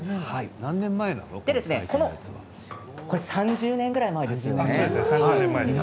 ３０年ぐらい前ですよね。